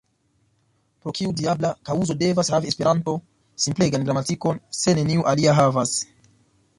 Pro kiu diabla kaŭzo devas havi Esperanto simplegan gramatikon, se neniu alia havas?